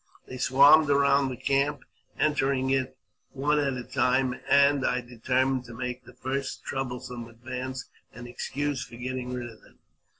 They swarmed round the camp, entering it one at a time, and I determined to make the first troublesome advance an excuse for getting rid of them.